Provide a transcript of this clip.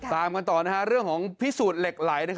ตามกันต่อเรื่องของพิสูจน์เหล็กไหล